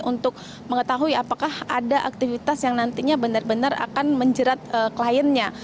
untuk mengetahui apakah ada aktivitas yang nantinya benar benar akan menjerat kliennya